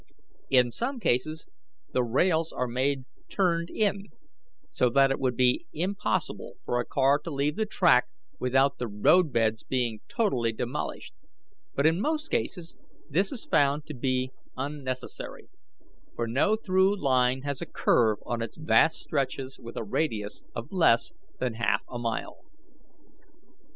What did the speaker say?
In some cases the rails are made turned in, so that it would be impossible for a car to leave the track without the road bed's being totally demolished; but in most cases this is found to be unnecessary, for no through line has a curve on its vast stretches with a radius of less than half a mile.